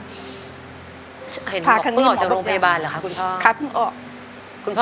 เห็นว่าเพิ่งออกจากโรคพยาบาลหรือครับคุณพ่อ